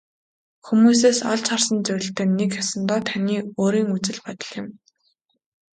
Хүмүүсээс олж харсан зүйл тань нэг ёсондоо таны өөрийн үзэл бодол юм.